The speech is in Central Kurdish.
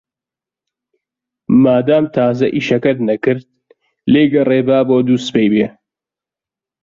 مادام تازە ئیشەکەت نەکرد، لێی گەڕێ با بۆ دووسبەی بێ.